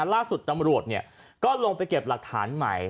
ล่าสุดตำรวจก็ลงไปเก็บหลักฐานใหม่